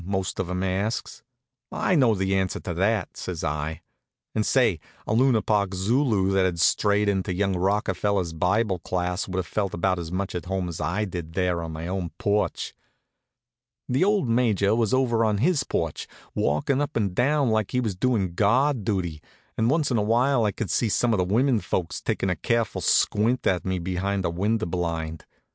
most of 'em asks. "I know the answer to that," says I. And say, a Luna Park Zulu that had strayed into young Rockefeller's Bible class would have felt about as much at home as I did there on my own porch. The old Major was over on his porch, walkin' up and down like he was doin' guard duty, and once in a while I could see some of the women folks takin' a careful squint at me from behind a window blind.